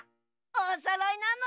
おそろいなのだ。